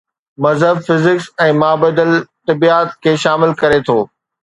مذهب فزڪس ۽ مابعدالطبعيات کي شامل ڪري ٿو.